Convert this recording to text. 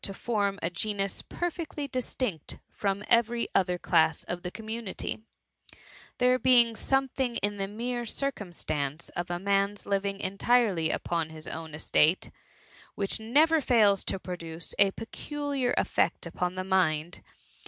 SS to form a genus perfectly distinct from every other class of the community; there being something in the mere circumstance of a man^s Uving entirely upon his own estate^ which never fails to produce a peculiar effect upon the mind.